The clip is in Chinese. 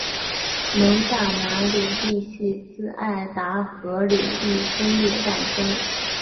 蒙大拿领地系自爱达荷领地分裂诞生。